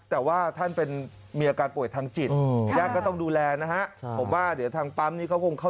แต่ว่าท่านเป็นมีอาการป่วยทางจิตญาติก็ต้องดูแลนะ